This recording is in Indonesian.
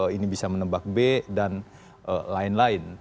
ini bisa menebak b dan lain lain